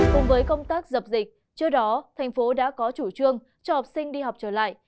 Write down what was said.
cùng với công tác dập dịch trước đó thành phố đã có chủ trương cho học sinh đi học trở lại